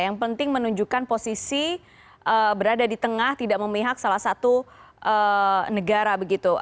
yang penting menunjukkan posisi berada di tengah tidak memihak salah satu negara begitu